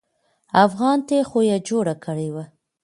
افغان ته خو يې جوړه کړې وه.